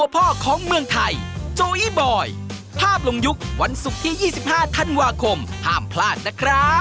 โปรดติดตามตอนต่อไป